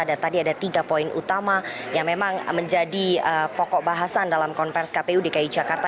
dan tadi ada tiga poin utama yang memang menjadi pokok bahasan dalam konferensi kpu dki jakarta